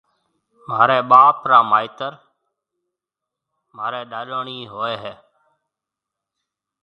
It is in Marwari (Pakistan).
مهاريَ ٻاپ را مائيتر مهاريَ ڏاڏوڻِي هوئيَ هيَ۔